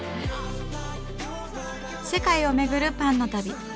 世界をめぐるパンの旅。